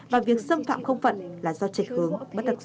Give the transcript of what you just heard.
và việc xâm phạm không phận là do trịch hướng bất đặc dĩ